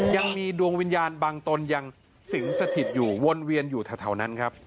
ยังมีดวงวิญญาณบางตนยังสิงสติดอยู่วนเวียนอยู่เท่า